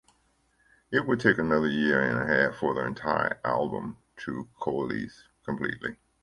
It would take another year and half for the entire album to coalesce completely.